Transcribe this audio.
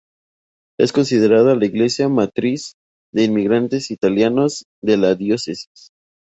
Es considerada la "Iglesia Matriz de inmigrantes italianos" de la diócesis.